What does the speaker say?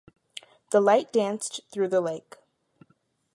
The light danced through the lake.